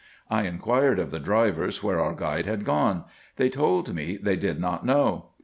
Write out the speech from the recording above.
I inquired of the drivers where our guide had gone ; they told me they did not know.